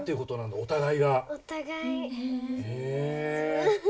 お互い。